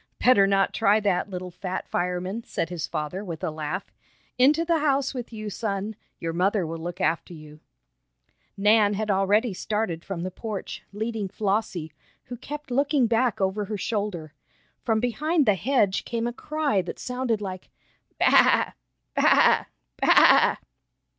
"Better not try that, little fat fireman," said his father with a laugh. "Into the house with you, son. Your mother will look after you." Nan had already started from the porch, leading Flossie, who kept looking back over her shoulder. From behind the hedge came a cry that sounded like: "Baa! Baa! Baa!"